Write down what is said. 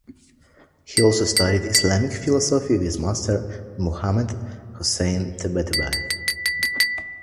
He also studied Islamic philosophy with master Muhammad Husayn Tabatabai.